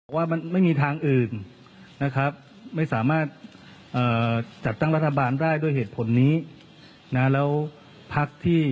การเมืองไม่ตรงกับก้าวไก